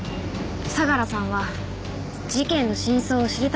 相良さんは事件の真相を知りたくないんですか？